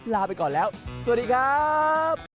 สวัสดีครับ